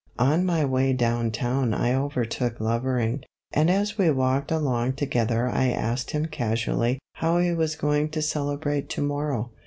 " On my way down town I overtook Levering, and as we walked along together I asked him casually how he was going to celebrate to morrow.